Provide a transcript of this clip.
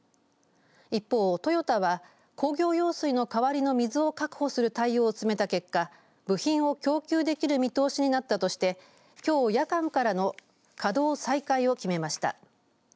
一方、トヨタは工業用水の代わりの水を確保する対応を進めた結果部品を供給できる見通しになったとしてきょう夜間からの稼動再開を決めました。